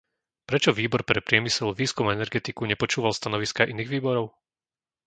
Prečo Výbor pre priemysel, výskum a energetiku nepočúval stanoviská iných výborov?